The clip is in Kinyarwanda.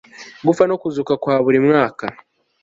gupfa no kuzuka kwa buri mwaka